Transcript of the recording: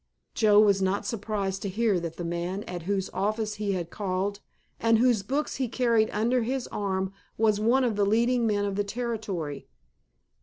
Joe was not surprised to hear that the man at whose office he had called and whose books he carried under his arm was one of the leading men of the Territory.